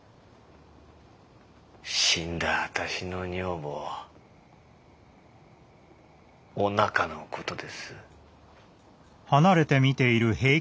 死んだ私の女房おなかの事です。